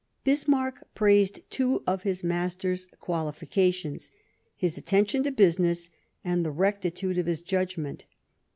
Bismarck praised two of his master's qualifications: his attention to business and the rectitude of his judgment.